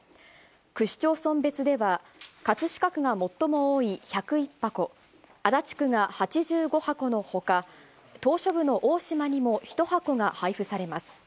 区市町村別では、葛飾区が最も多い１０１箱、足立区が８５箱のほか、島しょ部の大島にも１箱が配布されます。